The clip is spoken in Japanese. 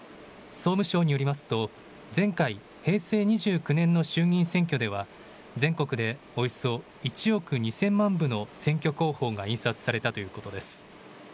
総務省によりますと前回、平成２９年の衆議院選挙では全国でおよそ１億２０００万部の選挙公報が印刷されたということです。